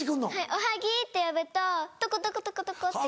「おはぎ」って呼ぶとトコトコトコトコって。